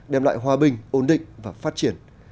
đem lại hòa bình ổn định và phát triển